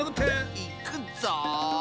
いくぞ！